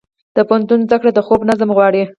د پوهنتون زده کړه د خوب نظم غواړي.